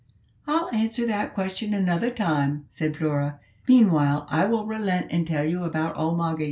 "I'll answer that question another time," said Flora; "meanwhile, I will relent and tell you about old Moggy.